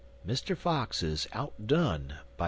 MR. FOX IS "OUTDONE" BY MR.